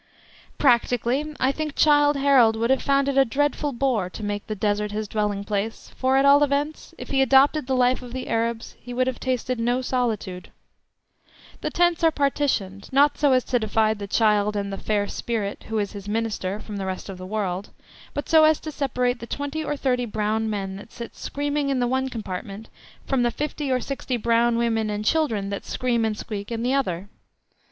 Practically, I think, Childe Harold would have found it a dreadful bore to make "the Desert his dwelling place," for at all events, if he adopted the life of the Arabs he would have tasted no solitude. The tents are partitioned, not so as to divide the Childe and the "fair spirit" who is his "minister" from the rest of the world, but so as to separate the twenty or thirty brown men that sit screaming in the one compartment from the fifty or sixty brown women and children that scream and squeak in the other.